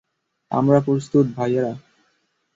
আমরা প্রস্তুত, ভাইয়েরা।